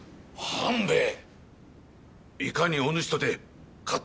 半兵衛。